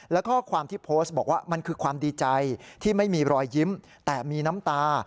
และข้อความที่โพสต์บอกว่ามันคือความดีใจที่ไม่มีรอยยิ้มแต่มีน้ำตา